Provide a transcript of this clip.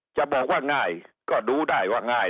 จะบอกว่าง่ายก็ดูได้ว่าง่าย